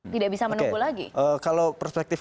tidak bisa menunggu lagi kalau perspektif